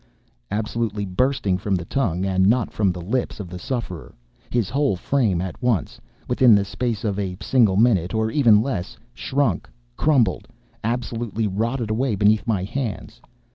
absolutely bursting from the tongue and not from the lips of the sufferer, his whole frame at once—within the space of a single minute, or even less, shrunk—crumbled—absolutely rotted away beneath my hands.